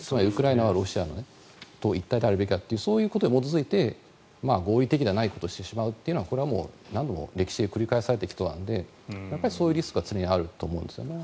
ロシアはウクライナと一体であるべきというそういうことに基づいて合理的じゃないことをしてしまうというのはこれは何度も歴史で繰り返されてきたことなので常にそういうリスクはあると思うんですね。